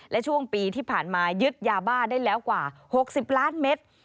และช่วงปีที่ผ่านมายึดยาบ้าได้แล้วกว่า๖๐ล้านเมตร